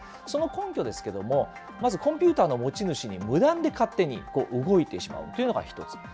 その根拠ですけれども、まずコンピューターの持ち主に無断で勝手に動いてしまうというのが一つ。